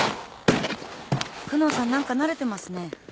久能さん何か慣れてますね。